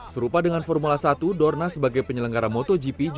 serupa dengan formula satu dorna sebagai penyelenggara motogp